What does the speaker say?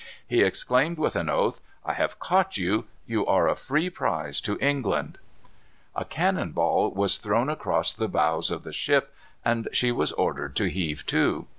He exclaimed with an oath, "I have caught you. You are a free prize to England." A cannon ball was thrown across the bows of the ship, and she was ordered to heave to.